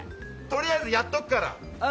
とりあえずやっとくから。